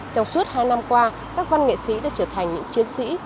trong suốt hai năm qua các văn nghệ sĩ đã trở thành những chiến sĩ